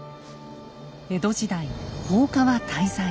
江戸時代放火は大罪。